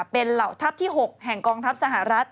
เป็นเหล่าทัพที่๖แห่งกองทัพสหรัฐ